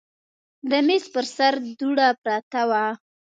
د میز پر سر دوړه پرته وه.